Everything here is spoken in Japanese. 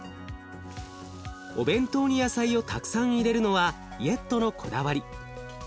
お弁当に野菜をたくさん入れるのはイェットのこだわり。